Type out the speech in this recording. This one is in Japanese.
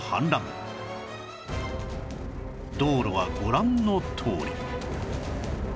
道路はご覧のとおり